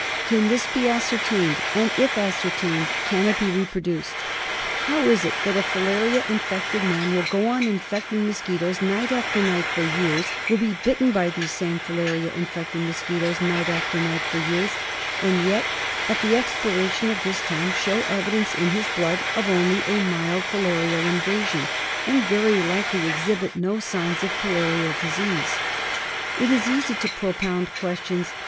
Can this be ascertained and, if ascertained, can it be reproduced ? How is it that a filaria infected man will go on infecting mosquitos night after night for years ; will be bitten by these same filaria infected mosquitos night after night for years, and yet at the expiration of this time show evidence in his blood of only a mild filarial invasion, and very likely exhibit no sign of filarial disease ? It is easy to propound questions.